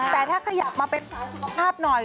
แต่ถ้าเขาอยากมาเป็นสาวสุขภาพหน่อย